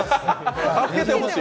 助けてほしい。